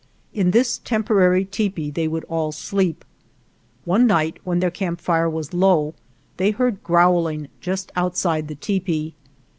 In this temporary tepee they would all sleep. One night when their camp fire was low they heard growling just outside the tepee.